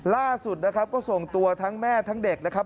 ล่าสุดนะครับก็ส่งตัวทั้งแม่ทั้งเด็กนะครับ